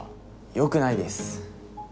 よくないです。